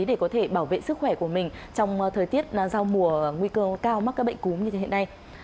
để có thể bảo vệ sức khỏe của mình trong thời tiết giao mùa nguy cơ cao mắc các bệnh cúm như thế hiện nay